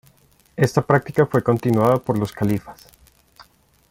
Esta práctica fue continuada por los califas.